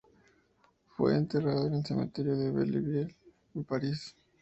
Fue enterrado en el cementerio de Belleville en París.